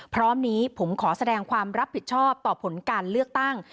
พร้อมนี้ผมขอแสดงความรับผิดชอบต่อผลการเลือกตั้ง